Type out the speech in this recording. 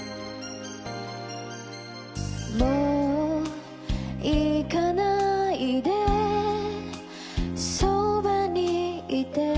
「もう行かないでそばにいて」